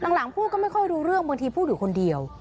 หลังพูดก็ไม่ค่อยรู้เรื่องบางทีพูดอยู่คนเดียว